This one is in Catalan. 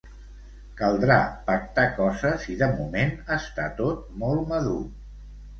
Caldrà pactar coses i de moment està tot molt madur.